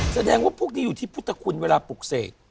แสดงว่าพวกนี้อยู่ที่พุทธคุณเวลาปลูกเสก